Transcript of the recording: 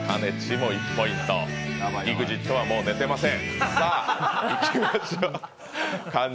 ＥＸＩＴは、もう寝てません。